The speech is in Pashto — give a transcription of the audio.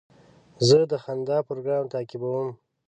زه د خندا پروګرام تعقیبوم.